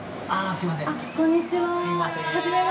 すみません。